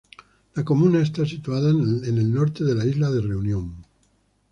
La comuna está situada en el norte de la isla de Reunión.